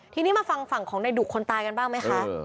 ทีนี้มาฟังฝั่งของในดุคนตายกันบ้างไหมคะ